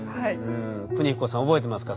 邦彦さん覚えてますか？